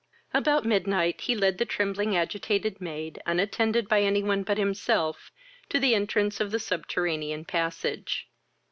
About midnight he led the trembling agitated maid, unattended by any one but himself, to the entrance of the subterranean passage.